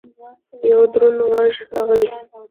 یو دروند غږ راغی!